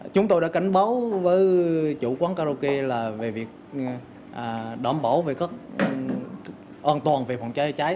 chúng tôi đã cảnh báo với chủ quán karaoke là về việc đảm bảo về các an toàn về phòng cháy cháy